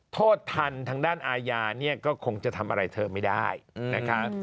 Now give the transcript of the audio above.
โทษทันทางด้านอาญาเนี่ยก็คงจะทำอะไรเธอไม่ได้นะคะ